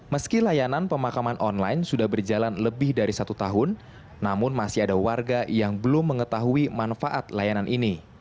meski layanan pemakaman online sudah berjalan lebih dari satu tahun namun masih ada warga yang belum mengetahui manfaat layanan ini